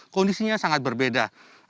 kondisinya sangat berbeda